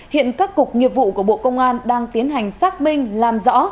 hiện các cục nghiệp vụ của bộ công an đang tiến hành xác minh làm rõ